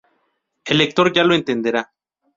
El lector ya lo entenderá.